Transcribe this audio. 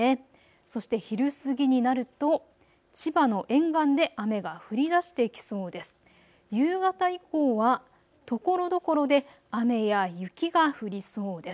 そして昼過ぎになると、千葉の沿岸で雨が降りだしてきそうです。